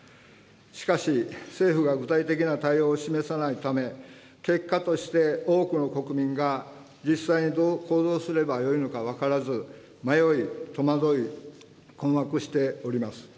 しかし、政府が具体的な対応を示さないため、結果として多くの国民が実際にどう行動してよいのか分からず、迷い、戸惑い、困惑しております。